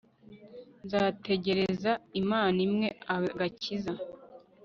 nzategereza imana impe agakiza